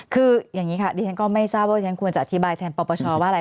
คืออย่างนี้ค่ะดิฉันก็ไม่ทราบว่าฉันควรจะอธิบายแทนปปชว่าอะไร